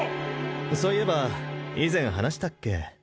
そういえば以前話したっけ？